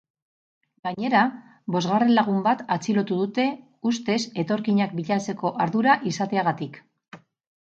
Gainera, bosgarren lagun bat atxilotu dute ustez etorkinak bilatzeko ardura izateagatik.